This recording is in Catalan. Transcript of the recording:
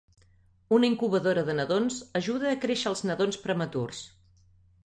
Una incubadora de nadons ajuda a créixer els nadons prematurs.